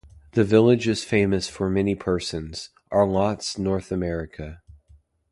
The village is famous for many persons; are lots North America.